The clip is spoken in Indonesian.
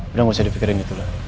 udah gak usah di pikirin gitu